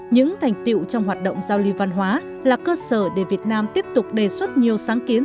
những thành tiệu trong hoạt động giao lưu văn hóa là cơ sở để việt nam tiếp tục đề xuất nhiều sáng kiến